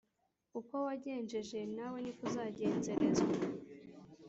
uko wagenjeje nawe ni ko uzagenzerezwa,